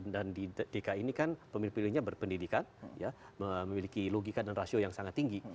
dan di dki ini kan pemilih pemilihnya berpendidikan ya memiliki logika dan rasio yang sangat tinggi